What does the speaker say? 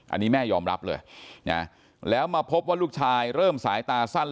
อันนี้แม่ยอมรับเลยนะแล้วมาพบว่าลูกชายเริ่มสายตาสั้น